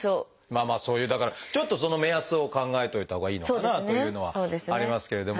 そういうだからちょっとその目安を考えといたほうがいいのかなというのはありますけれども。